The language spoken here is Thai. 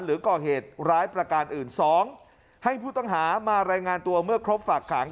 หรือก่อเหตุร้ายประการอื่นสองให้ผู้ต้องหามารายงานตัวเมื่อครบฝากขัง